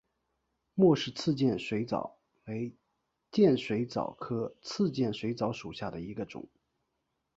莫氏刺剑水蚤为剑水蚤科刺剑水蚤属下的一个种。